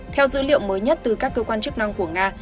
theo dữ liệu mới nhất từ các cơ quan chức năng của nga